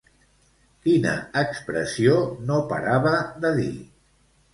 Quina expressió no parava de dir?